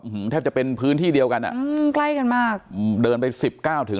อืมแทบจะเป็นพื้นที่เดียวกันอ่ะอืมใกล้กันมากอืมเดินไปสิบเก้าถึง